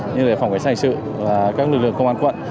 như là phòng cảnh sát hành sự các lực lượng công an quận